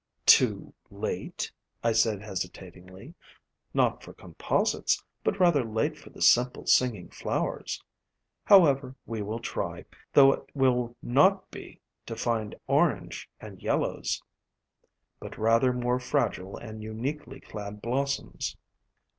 "Too late?" I said hesitatingly. "Not for com posites, but rather late for the simple singing flowers. However, we will try, though it will not be to find orange and yellows, but rather more fragile and uniquely clad blossoms."